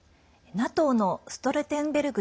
ＮＡＴＯのストルテンベルグ